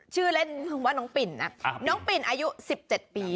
ชื่อเล่นว่าน้องปิ่นนะน้องปิ่นอายุ๑๗ปี